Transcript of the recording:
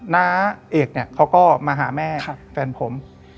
น้าเอกเขาก็มาหาแม่แฟนผม